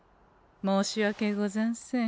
申し訳ござんせん。